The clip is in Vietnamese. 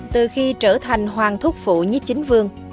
từ khi trở thành hoàng thúc phụ nhíp chính vương